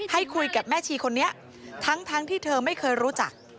ให้คุยกับแม่ชีคนนี้ทั้งที่เธอไม่เคยรู้จัก